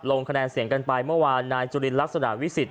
ลงคะแนนเสียงกันไปเมื่อวานนายจุลินลักษณะวิสิทธ